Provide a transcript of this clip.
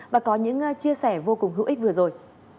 và có những chia sẻ vô cùng hữu ích vừa rồi